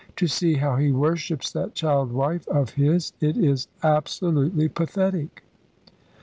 To see how he worships that child wife of his! It is absolutely pathetic."